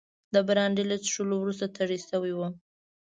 د برانډي له څښلو وروسته تږی شوی وم.